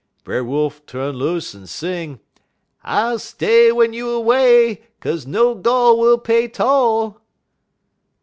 "Brer Wolf tu'n loose en sing: "'_I'll stay w'en you away, 'Kaze no gol' will pay toll!